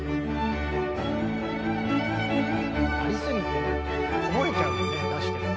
ありすぎてこぼれちゃうもんね出しても。